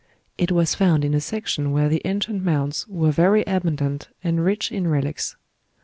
It was found in a section where the ancient mounds were very abundant and rich in relics.